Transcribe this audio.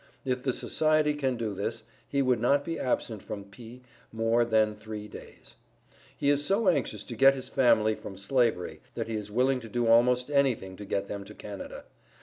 If the Society can do this, he would not be absent from P. more than three days. He is so anxious to get his family from slavery that he is willing to do almost anything to get them to Canada.